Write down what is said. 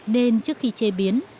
nên trước khi chế biến